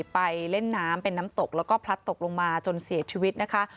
ไปเล่นน้ำเป็นน้ำตกแล้วก็พลัดตกลงมาจนเสียชีวิตนะคะ